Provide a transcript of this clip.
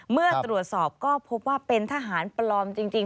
เมื่อตรวจสอบก็พบว่าเป็นทหารปลอมจริง